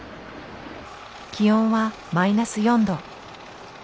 気温はマイナス４度。